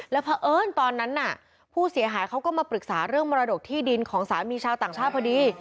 แล้วเพราะเอิญตอนนั้นน่ะผู้เสียหายเขาก็มาปรึกษาเรื่องมรดกที่ดินของสามีชาวต่างชาติพอดี